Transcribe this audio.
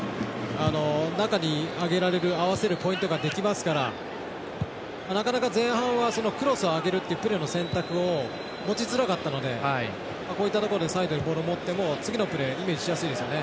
中に上げられる合わせるポイントができますからなかなか前半はクロスを上げるというプレーの選択を持ちづらかったのでこういったところサイドでボールを持っても次のプレーがイメージしやすいですよね。